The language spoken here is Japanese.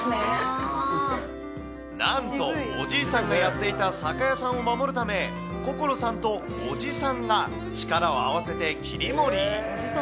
なんと、おじいさんがやっていた酒屋さんを守るため、こころさんと叔父さんが力を合わせて切り盛り。